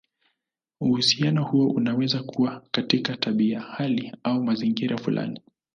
Uhusiano huo unaweza kuwa katika tabia, hali, au mazingira fulani.